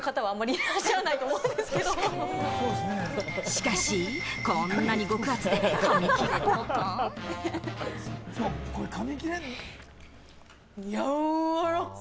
しかし、こんなに極厚で噛み切れるのか？